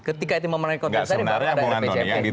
ketika itu memenangi kontestasi